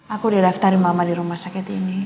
aku udah daftarin mama di rumah sakit ini